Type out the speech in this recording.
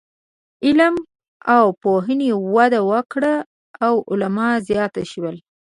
علم او پوهنې وده وکړه او عالمان زیات شول.